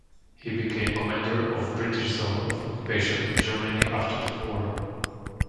He became commander of the British Zone of Occupation in Germany after the war.